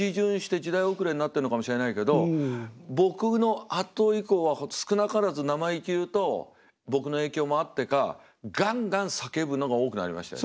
僕のあと以降は少なからず生意気言うと僕の影響もあってかガンガン叫ぶのが多くなりましたよね。